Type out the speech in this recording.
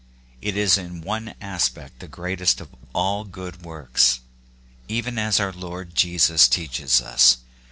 It is in one aspect the greatest of all good works, even as our Lord Jesus teaches us.